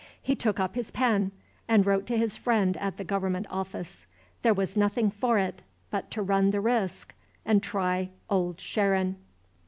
He took up his pen, and wrote to his friend at the Government office. There was nothing for it now but to run the risk, and try Old Sharon.